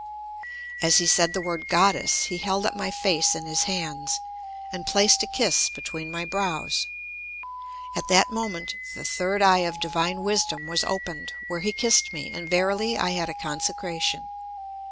As he said the word "Goddess," he held up my face in his hands, and placed a kiss between my brows. At that moment the third eye of divine wisdom was opened, where he kissed me, and verily I had a consecration.